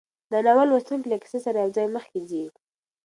د ناول لوستونکی له کیسې سره یوځای مخکې ځي.